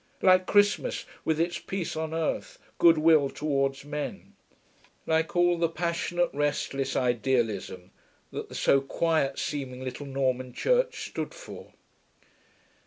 Like Christmas, with its peace on earth, goodwill towards men. Like all the passionate, restless idealism that the so quiet seeming little Norman church stood for....